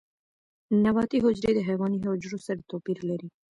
نباتي حجرې د حیواني حجرو سره توپیر لري